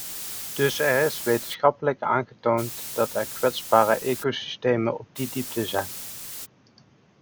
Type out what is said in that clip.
Dus er is wetenschappelijk aangetoond dat er kwetsbare ecosystemen op die diepte zijn.